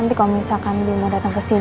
nanti kalo misalkan dia mau dateng kesini